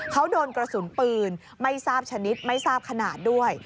เขาโดนกระสุนปืนไม่ทราบชนิดไม่ทราบขนาดด้วย